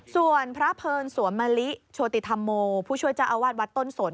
ส่วนพระเพลินสวมมะลิโชติธรรมโมผู้ช่วยเจ้าอาวาสวัดต้นสน